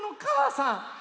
さん！